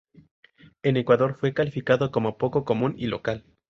En Ecuador fue calificado como 'poco común y local'.